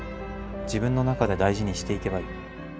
自分の中で大事にしていけばいい。